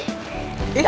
kenapa andre itu klerikin